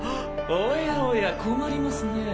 おやおや困りますねぇ。